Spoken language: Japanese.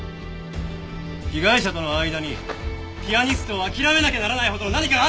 被害者との間にピアニストを諦めなきゃならないほどの何かがあったんじゃ。